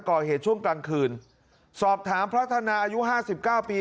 ก่อเหตุช่วงกลางคืนสอบถามพระธนาอายุห้าสิบเก้าปี